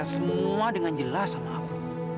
semua dengan jelas sama aku